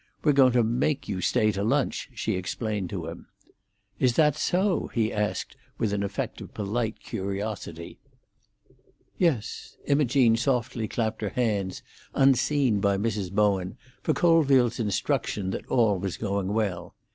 "We're going to make you stay to lunch," she explained to him. "Is that so?" he asked, with an effect of polite curiosity. "Yes." Imogene softly clapped her hands, unseen by Mrs. Bowen, for Colville's instruction that all was going well.